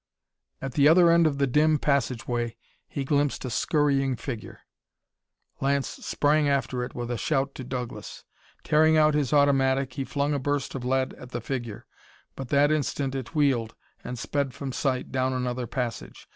At the other end of the dim passageway he glimpsed a scurrying figure! Lance sprang after it with a shout to Douglas. Tearing out his automatic, he flung a burst of lead at the figure, but that instant it wheeled and sped from sight down another passage.